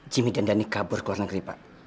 jimmy dan dhani kabur ke luar negeri pak